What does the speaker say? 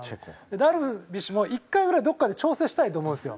ダルビッシュも一回ぐらいどこかで調整したいと思うんですよ。